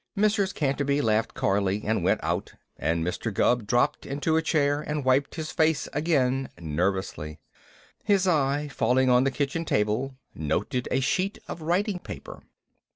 Mrs. Canterby laughed coyly and went out, and Mr. Gubb dropped into a chair and wiped his face again nervously. His eye, falling on the kitchen table, noted a sheet of writing paper.